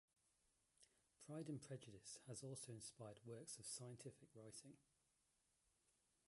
"Pride and Prejudice" has also inspired works of scientific writing.